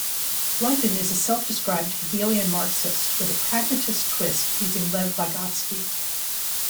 Blunden is a self-described Hegelian Marxist with a 'pragmatist twist' using Lev Vygotsky.